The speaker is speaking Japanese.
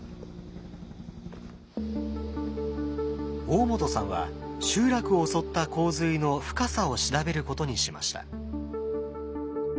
大本さんは集落を襲った洪水の深さを調べることにしました。